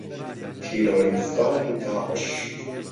تیرۆریستانی داعش